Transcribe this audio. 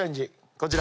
こちら。